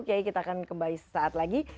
kiai kita akan kembali sesaat lagi